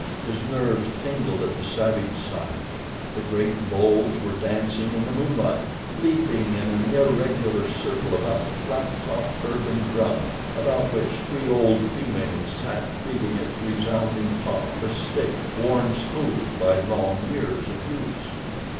His nerves tingled at the savage sight. The great bulls were dancing in the moonlight, leaping in an irregular circle about the flat topped earthen drum about which three old females sat beating its resounding top with sticks worn smooth by long years of use.